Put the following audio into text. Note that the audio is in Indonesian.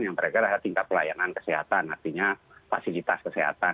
yang mereka rasa tingkat pelayanan kesehatan artinya fasilitas kesehatan